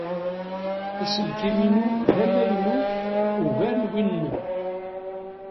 Aselkim-inu d amaynu ugar n win-nnem.